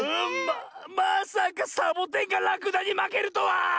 まさかサボテンがらくだにまけるとは！